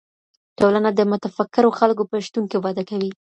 ټولنه د متفکرو خلګو په شتون کي وده کوي.